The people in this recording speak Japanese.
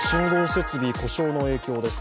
設備故障の影響です。